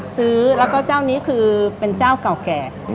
ซื้อแล้วก็เจ้านี้คือเป็นเจ้าเก่าแก่